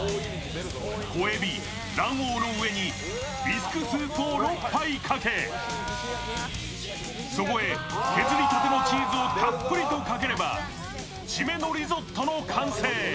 小海老、卵黄の上にビスクスープを６杯かけ、そこへ、削りたてのチーズをたっぷりとかければ、締めのリゾットの完成。